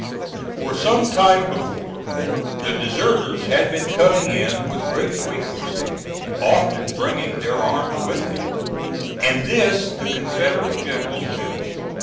For some time before the deserters had been coming in with great frequency, often bringing their arms with them, and this the Confederate general knew.